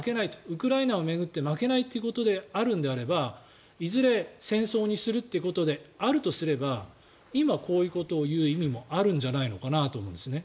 ウクライナを巡って負けないということであるのであればいずれ戦争にするということであるとすれば今、こういうことを言う意味もあるんじゃないのかなと思うんです。